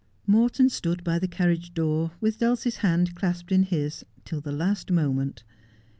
Morton stood by the carriage door, with Dulcie's hand clasped in his, till the last moment.